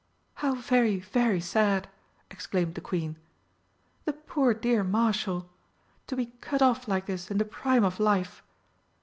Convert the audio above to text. "How very very sad!" exclaimed the Queen. "The poor dear Marshal! To be cut off like this in the prime of life!